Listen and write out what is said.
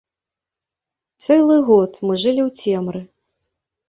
Цэлы год мы жылі ў цемры.